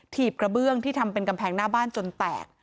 ถีบกระเบื้องที่ทำเป็นกำแพงหน้าบ้านจนแตก